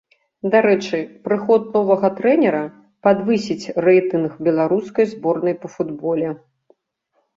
Дарэчы, прыход новага трэнера падвысіць рэйтынг беларускай зборнай па футболе.